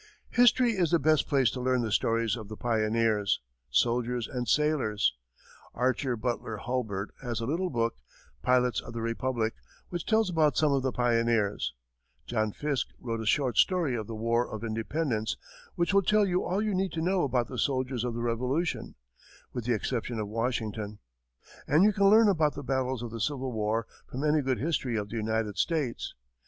History is the best place to learn the stories of the pioneers, soldiers and sailors. Archer Butler Hulburt has a little book, "Pilots of the Republic," which tells about some of the pioneers; John Fiske wrote a short history of "The War of Independence," which will tell you all you need know about the soldiers of the Revolution, with the exception of Washington; and you can learn about the battles of the Civil War from any good history of the United States.